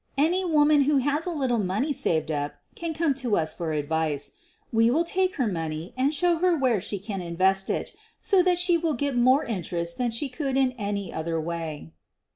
Any woman who has a little money saved up can come to us for advice. We will take her money and show her where she can invest it so that she will get more interest than she could in any other way."